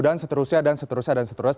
dan seterusnya dan seterusnya dan seterusnya